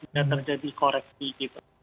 dan terjadi koreksi gitu